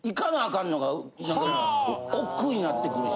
かんのがおっくうになってくるし。